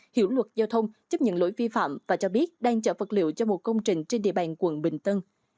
hiểu luật giao thông chấp nhận lỗi vi phạm và cho biết đang chở vật liệu cho một công trình trên địa bàn quận bình tân